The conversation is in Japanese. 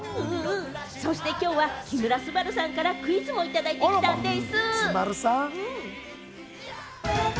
きょうは木村昴さんからクイズをいただいてきたんです。